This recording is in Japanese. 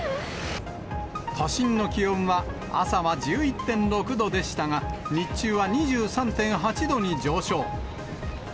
都心の気温は朝は１１．６度でしたが、日中は２３．８度に上昇。